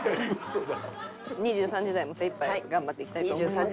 ２３時台も精いっぱい頑張っていきたいと思います。